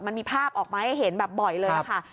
มันมีภาพออกมาให้เห็นแบบบ่อยเลยค่ะ